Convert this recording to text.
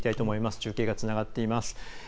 中継がつながっています。